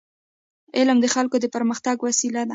علم د خلکو د پرمختګ وسیله ده.